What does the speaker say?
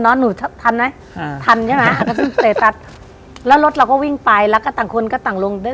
ก็เรื่องละละถันนี้นะแล้วรถเราวิ่งไปแล้วต่างคนก็ต่างลง